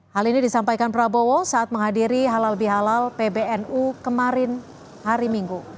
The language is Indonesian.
hal ini disampaikan prabowo saat menghadiri halal bihalal pbnu kemarin hari minggu